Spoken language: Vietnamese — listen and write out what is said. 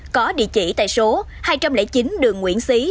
có địa chỉ tại số hai trăm linh chín đường nguyễn xí